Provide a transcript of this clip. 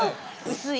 薄い。